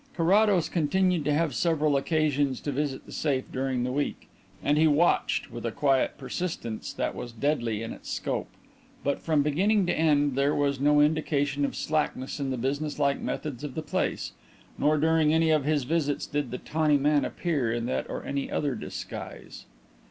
Carrados continued to have several occasions to visit the safe during the week, and he "watched" with a quiet persistence that was deadly in its scope. But from beginning to end there was no indication of slackness in the business like methods of the place; nor during any of his visits did the "tawny man" appear in that or any other disguise.